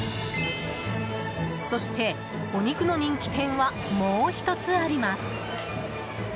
そして、お肉の人気店はもう１つあります。